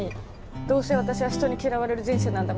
「どうせ私は人に嫌われる人生なんだみたいな。